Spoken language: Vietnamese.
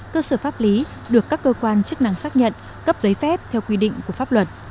cơ sở pháp lý được các cơ quan chức năng xác nhận cấp giấy phép theo quy định của pháp luật